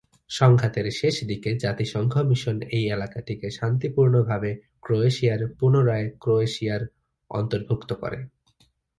সংঘাতের শেষদিকে জাতিসংঘ মিশন এই এলাকাটিকে শান্তিপূর্ণভাবে ক্রোয়েশিয়ার পুনরায় ক্রোয়েশিয়ার অধিভুক্ত করে।